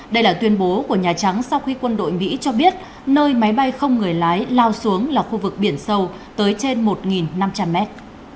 đây là tuyên bố của nhà trắng sau khi quân đội mỹ cho biết nơi máy bay không người lái lao xuống là khu vực biển sâu tới trên một năm trăm linh mét